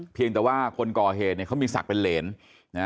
เพียงแต่ว่าคนก่อเหตุเนี่ยเขามีศักดิ์เป็นเหรนนะฮะ